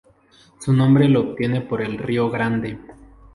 Su nombre lo obtiene por el Río Grande.